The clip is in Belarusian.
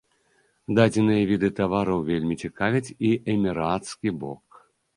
Дадзеныя віды тавараў вельмі цікавяць і эмірацкі бок.